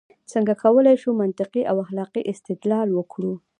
څنګه کولای شو منطقي او اخلاقي استدلال وکړو؟